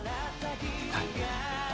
はい。